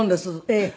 ええ。